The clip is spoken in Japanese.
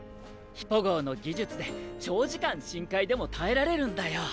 ヒポ号の技術で長時間深海でも耐えられるんだよ。